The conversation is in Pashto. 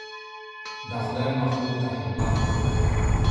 د خدای مخلوق ته خدمت وکړئ.